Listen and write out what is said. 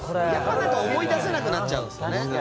思い出せなくなっちゃうんですよね。